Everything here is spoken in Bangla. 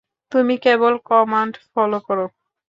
তুমি কেবল কমান্ড ফলো করো।